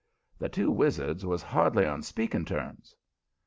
The two wizards was hardly on speaking terms.